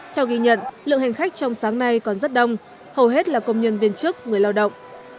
theo ghi nhận lượng hành khách trong sáng nay còn rất đông hầu hết là công nhân viên chức người lao động